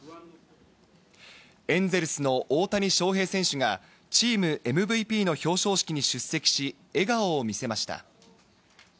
エンゼルスの大谷翔平選手がチームＭＶＰの表彰式に出席し、笑顔を見せました。